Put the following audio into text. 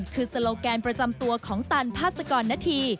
คือสโลแกนประจำตัวของตันพาสกรณฑี